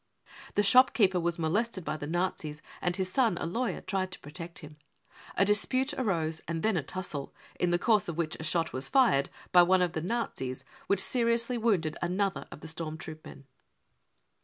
The shopkeeper was molested by the Nazis, and his son, a lawyer, tried to protect him. A dispute arose, and then a tussle, " in the course of which a shot was fired "— by one of the Nazis — which seriously wounded another of the storm troop men.)